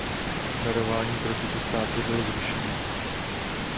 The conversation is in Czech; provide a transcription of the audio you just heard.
Varování pro tyto státy bylo zrušeno.